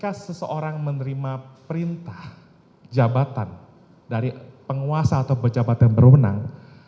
ketika seseorang menerima perintah jabatan dari penguasa atau pejabat yang berwenang